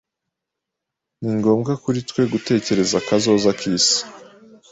Ni ngombwa kuri twe gutekereza kazoza k'isi.